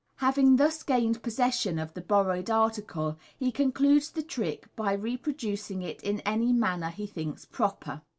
Having thus gained possession of the borrowed article, he concludes the trick by repro ducing it in any manner he thinks proper.